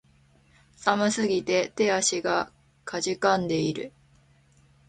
寒すぎて手足が悴んでいる